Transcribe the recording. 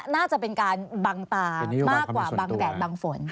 น่าจะเป็นการบังตามากกว่าบางแดดบางฝน